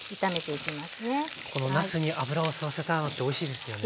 このなすに脂を吸わせたのがおいしいですよね。